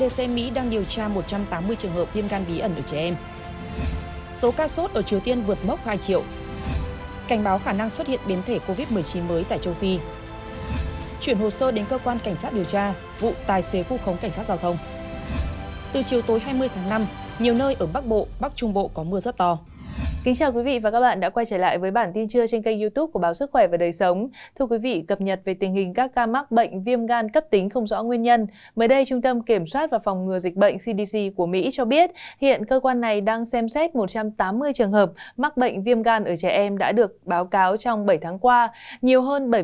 các bạn hãy đăng ký kênh để ủng hộ kênh của chúng mình nhé